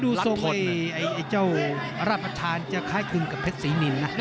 ดูทรงของเจ้ารัดประทานจะคล้ายคลึกกับพ็ชมสีนินนะ